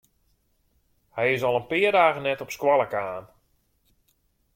Hy is al in pear dagen net op skoalle kaam.